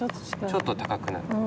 ちょっと高くなる。